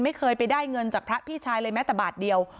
ไม่เคยไปได้เงินจากพระพี่ชายเลยแม้แต่บาทเดียว